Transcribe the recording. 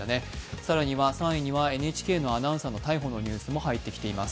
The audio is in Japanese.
さらには３位にはＮＨＫのアナウンサーの逮捕のニュースも入ってきています。